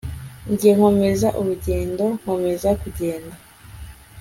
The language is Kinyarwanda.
jye nkomeza urugendo nkomeza kugenda